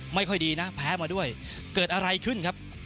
ไม่ค่อยดีนะแพ้มาด้วยเกิดอะไรขึ้นครับ